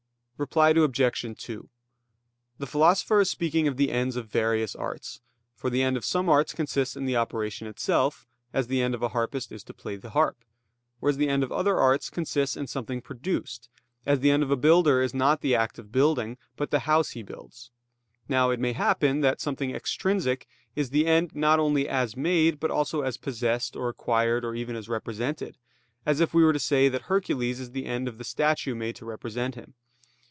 Reply Obj. 2: The Philosopher is speaking of the ends of various arts; for the end of some arts consists in the operation itself, as the end of a harpist is to play the harp; whereas the end of other arts consists in something produced, as the end of a builder is not the act of building, but the house he builds. Now it may happen that something extrinsic is the end not only as made, but also as possessed or acquired or even as represented, as if we were to say that Hercules is the end of the statue made to represent him.